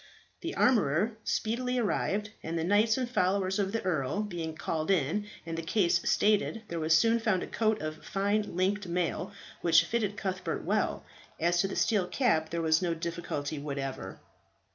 The armourer speedily arrived, and the knights and followers of the earl being called in and the case stated, there was soon found a coat of fine linked mail, which fitted Cuthbert well. As to the steel cap, there was no difficulty whatever.